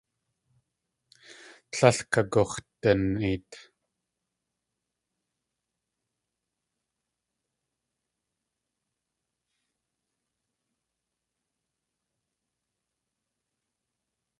Tlél kagux̲daneit.